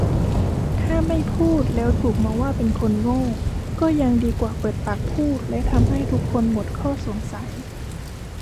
ถ้าไม่พูดแล้วถูกมองว่าเป็นคนโง่ก็ยังดีกว่าเปิดปากพูดและทำให้ทุกคนหมดข้อสงสัย